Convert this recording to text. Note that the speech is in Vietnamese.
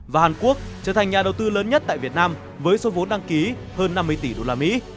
và hàn quốc trở thành nhà đầu tư lớn nhất tại việt nam với số vốn đăng ký hơn năm mươi tỷ usd